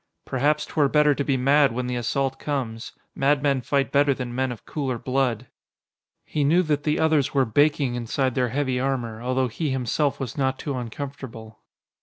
"Perhaps 'twere better to be mad when the assault comes. Madmen fight better than men of cooler blood." He knew that the others were baking inside their heavy armor, although he himself was not too uncomfortable.